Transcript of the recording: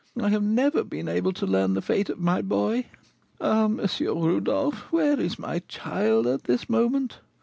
I have never been able to learn the fate of my boy. Ah, M. Rodolph! where is my child at this moment?